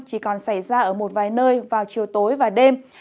chỉ còn xảy ra ở một vài nơi vào chiều tối và đêm